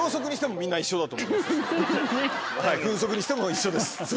分速にしても一緒です。